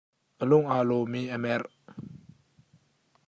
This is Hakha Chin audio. A lung aa lawm i a merh.